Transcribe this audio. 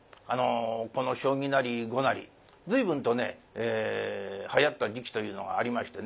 この将棋なり碁なり随分とねはやった時期というのがありましてね。